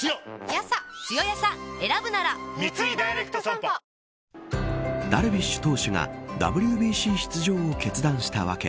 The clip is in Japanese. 午後の紅茶おいしい無糖ダルビッシュ投手がＷＢＣ出場を決断した訳。